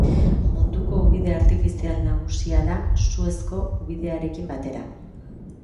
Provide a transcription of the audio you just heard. Munduko ubide artifizial nagusia da, Suezko ubidearekin batera.